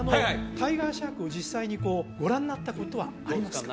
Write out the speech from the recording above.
タイガーシャークを実際にこうご覧になったことはありますか？